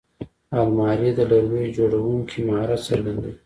الماري د لرګیو جوړوونکي مهارت څرګندوي